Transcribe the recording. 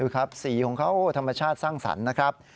ครับสีของเขาธรรมชาติสร้างสรรค์นะครับ